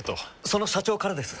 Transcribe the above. その社長からです。